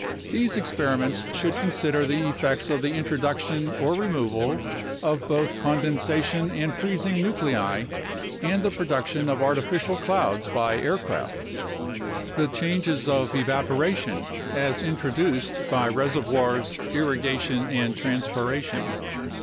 These experiments should consider the effects of the introduction or removal of both condensation and freezing nuclei and the production of artificial clouds by aircraft. The changes of evaporation, as introduced by reservoirs, irrigation, and transpiration.